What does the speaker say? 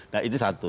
nah itu satu